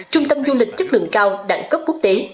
trung tâm du lịch chất lượng cao đẳng cấp quốc tế